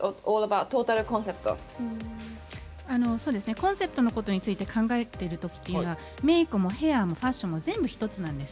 コンセプトのことについて考えているときはメークもヘアもファッションも全部一つなんです。